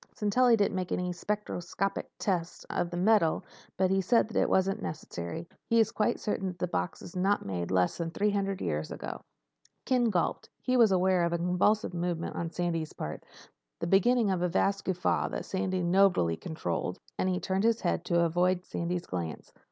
Sintelli didn't make any spectroscopic tests of the metal, but he said that wasn't necessary. He is quite certain that the box was made not less than three hundred years ago." Ken gulped. He was aware of a convulsive movement on Sandy's part—the beginning of a vast guffaw that Sandy nobly controlled. "I see." Ken gulped once more, and turned his head to avoid Sandy's glance.